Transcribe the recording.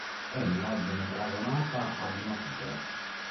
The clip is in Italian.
Ella viene paragonata ad una tigre.